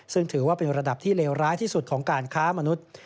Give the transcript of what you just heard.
ซึ่งถือว่าเป็นระดับที่เลวร้ายที่สุดของการค้ามนุษย์